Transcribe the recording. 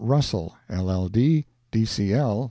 Russell, LL.D., D.C.L.